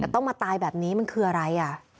แต่ต้องมาตายแบบนี้มันคืออะไร